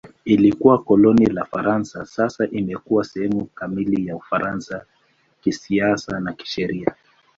Ilikuwa koloni la Ufaransa; sasa imekuwa sehemu kamili ya Ufaransa kisiasa na kisheria.